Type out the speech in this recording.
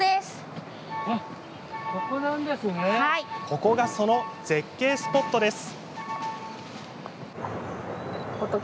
ここがその絶景スポットです。